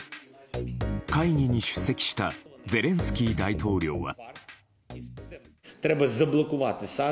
会議に出席したゼレンスキー大統領は。